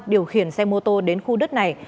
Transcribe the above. điều khiển xe mô tô đến khu đất này